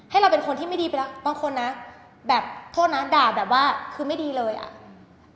เราเป็นคนที่ไม่ดีไปแล้วบางคนนะแบบโทษนะด่าแบบว่าคือไม่ดีเลยอ่ะ